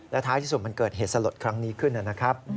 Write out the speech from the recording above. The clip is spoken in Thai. และท้ายที่สุดมันเกิดเหตุสลดครั้งนี้ขึ้น